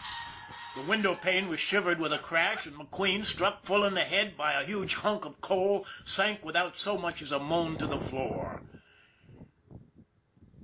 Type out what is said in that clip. " The window pane was shivered with a crash, and McQueen, struck full in the head by a huge hunk of coal, sank without so much as a moan to the floor.